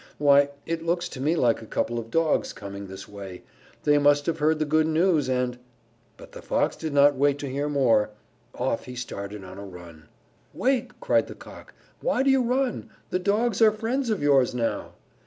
"Why, it looks to me like a couple of Dogs coming this way. They must have heard the good news and " But the Fox did not wait to hear more. Off he started on a run. "Wait," cried the Cock. "Why do you run? The Dogs are friends of yours now!"